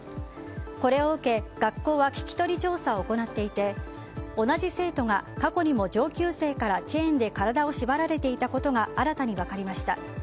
これを受け、学校は聞き取り調査を行っていて同じ生徒が過去にも上級生からチェーンで体を縛られていたことが新たに分かりました。